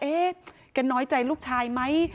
แกน้อยใจลูกชายไหม